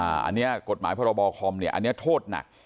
อันนี้กฎหมายพรบคอมเนี่ยอันนี้โทษหนัก